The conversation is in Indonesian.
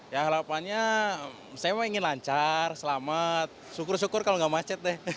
ya harapannya saya ingin lancar selamat syukur syukur kalau nggak macet deh